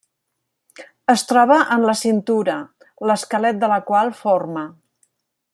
Es troba en la cintura, l'esquelet de la qual forma.